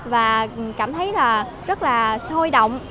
và cảm thấy là rất là sôi động